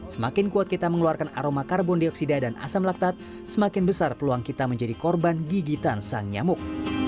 semakin kuat kita mengeluarkan aroma karbon dioksida dan asam laktat semakin besar peluang kita menjadi korban gigitan sang nyamuk